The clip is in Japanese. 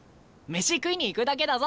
飯食いに行くだけだぞ。